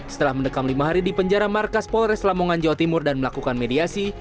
setelah mendekam lima hari di penjara markas polres lamongan jawa timur dan melakukan mediasi